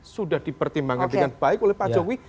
sudah dipertimbangkan dengan baik oleh pak jokowi